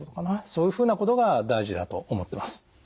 そういうふうなことが大事だと思ってます。